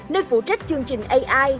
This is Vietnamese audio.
nơi phụ trách chương trình ai